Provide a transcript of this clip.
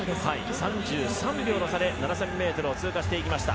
３３秒の差で７０００ｍを通過していきました。